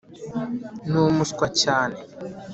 ni umuswa cyane.